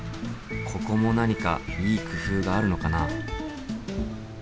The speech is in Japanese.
ここも何かいい工夫があるのかな？